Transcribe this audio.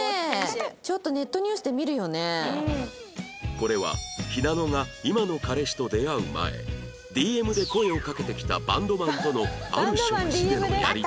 これはヒナノが今の彼氏と出会う前 ＤＭ で声をかけてきたバンドマンとのある食事でのやりとり